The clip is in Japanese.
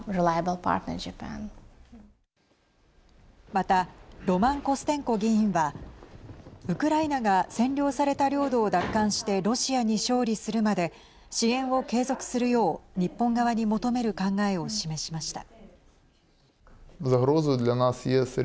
またロマン・コステンコ議員はウクライナが占領された領土を奪還してロシアに勝利するまで支援を継続するよう日本側に求める考えを示しました。